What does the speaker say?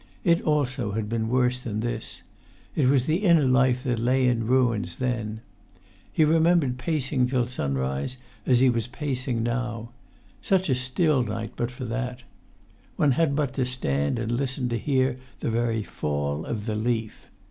It also had been worse than this: it was the inner life that lay in ruins then. He remembered pacing till sunrise as he was pacing now: such a still night but for that; one had but to stand and listen to hear the very fall of the leaf.